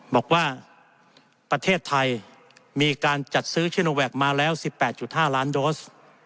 บอกว่าประเทศไทยมีการจัดซื้อชิโนแวคมาแล้ว๑๘๕ล้านโดส